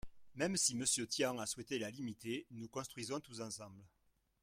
Même si Monsieur Tian a souhaité la limiter, Nous construisons tous ensemble